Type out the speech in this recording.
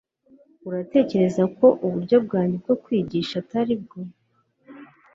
uratekereza ko uburyo bwanjye bwo kwigisha atari bwo